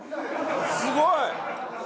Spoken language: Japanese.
すごい！